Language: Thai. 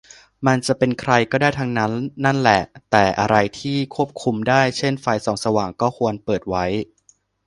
มันจะเป็นใครก็ได้ทั้งนั้นนั่นแหละ แต่อะไรที่ควบคุมได้ เช่นไฟส่องสว่าง ก็ควรเปิดไว้